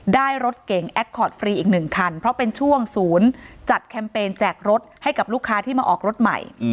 รถเก่งแอคคอร์ดฟรีอีกหนึ่งคันเพราะเป็นช่วงศูนย์จัดแคมเปญแจกรถให้กับลูกค้าที่มาออกรถใหม่